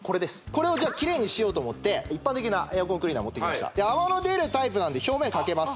これをじゃキレイにしようと思って一般的なエアコンクリーナー持ってきました泡の出るタイプなんで表面かけます